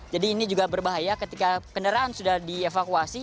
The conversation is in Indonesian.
jadi ini juga berbahaya ketika kendaraan sudah dievakuasi